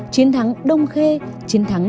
chiến thắng đông khê chiến thắng